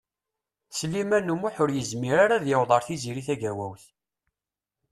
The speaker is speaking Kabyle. Sliman U Muḥ ur yezmir ara ad yaweḍ ar Tiziri Tagawawt.